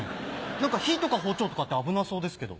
何か火とか包丁とかあって危なそうですけど。